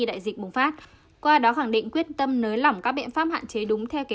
đại dịch bùng phát qua đó khẳng định quyết tâm nới lỏng các biện pháp hạn chế đúng theo kế